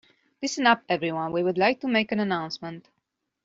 Listen up everyone, we would like to make an announcement.